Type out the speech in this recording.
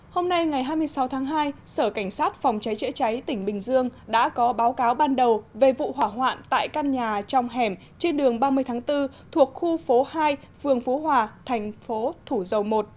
hôm nay ngày hai mươi sáu tháng hai sở cảnh sát phòng cháy chữa cháy tỉnh bình dương đã có báo cáo ban đầu về vụ hỏa hoạn tại căn nhà trong hẻm trên đường ba mươi tháng bốn thuộc khu phố hai phường phú hòa thành phố thủ dầu một